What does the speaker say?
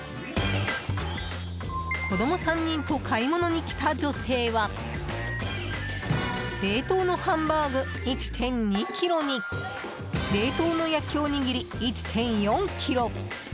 子供３人と買い物に来た女性は冷凍のハンバーグ１．２ｋｇに冷凍の焼きおにぎり１．４ｋｇ。